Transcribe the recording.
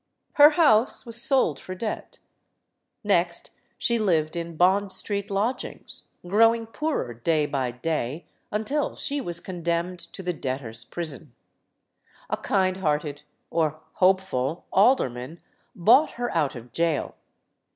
Her house was sold for debt. Next she lived in Bond Street lodgings, growing poorer day by day until she was condemned to the debtor's prison. A kind hearted or hopeful alderman bought her out of jail.